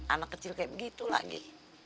anak kecil kaya gitu lagi